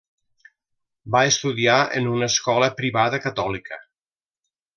Va estudiar en una escola privada catòlica.